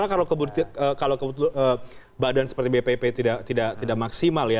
karena kalau kebetulan badan seperti bpip tidak maksimal ya